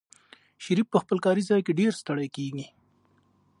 شریف په خپل کاري ځای کې ډېر ستړی کېږي.